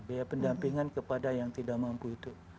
biaya pendampingan kepada yang tidak mampu itu